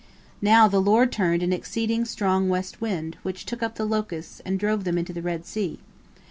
Now the Lord turned an exceeding strong west wind, which took up the locusts, and drove them into the Red Sea.